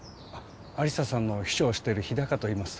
亜理紗さんの秘書をしてる日高といいます